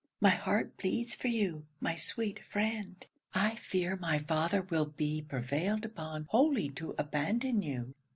My heart bleeds for you, my sweet friend. I fear my father will be prevailed upon wholly to abandon you.